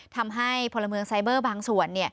ทำให้พลเมืองไซเบอร์บางส่วน